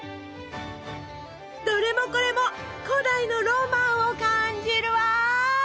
どれもこれも古代のロマンを感じるわ！